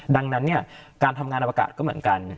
ดังนั้นการทำงานอวกาศก็เหมือนกัน